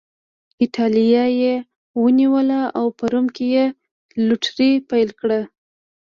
اېټالیا یې ونیوله او په روم کې یې لوټري پیل کړه